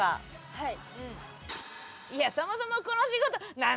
はい。